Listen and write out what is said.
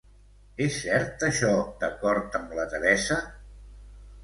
És cert això d'acord amb la Teresa?